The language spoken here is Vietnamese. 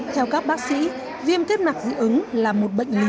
theo các bác sĩ viêm tiếp nạc dị ứng là một bệnh lý